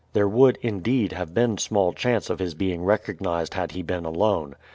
There would, indeed, have been small chance of his being recognized had he been alone.